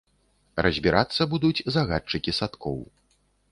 Разбірацца будуць загадчыкі садкоў.